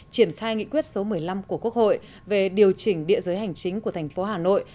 triển khai nghị quyết số một mươi năm của quốc hội về điều chỉnh địa giới hành chính của thành phố hà nội